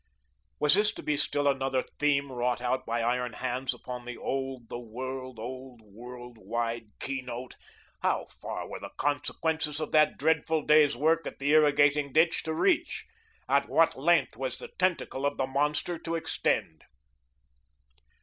Was this to be still another theme wrought out by iron hands upon the old, the world old, world wide keynote? How far were the consequences of that dreadful day's work at the irrigating ditch to reach? To what length was the tentacle of the monster to extend?